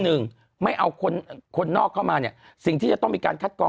หนึ่งไม่เอาคนคนนอกเข้ามาเนี่ยสิ่งที่จะต้องมีการคัดกรอง